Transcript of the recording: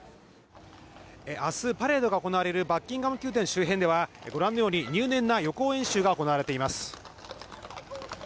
明日パレードが行われるバッキンガム宮殿周辺ではご覧のように入念な予行演習が行われています。